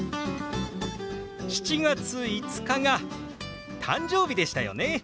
７月５日が誕生日でしたよね。